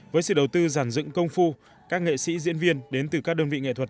với sự đầu tư giản dựng công phu các nghệ sĩ diễn viên đến từ các đơn vị nghệ thuật